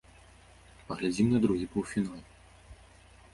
Паглядзім на другі паўфінал.